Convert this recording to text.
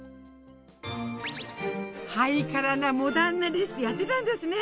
ハイカラなモダンなレシピやってたんですね！